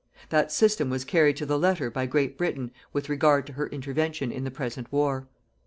That system was carried to the letter by Great Britain with regard to her intervention in the present war.